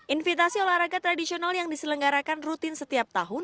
invitasi olahraga tradisional yang diselenggarakan rutin setiap tahun